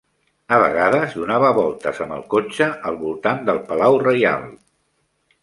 A vegades donava voltes amb el cotxe al voltant del palau reial.